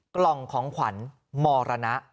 กล่องของขวัญมรณะ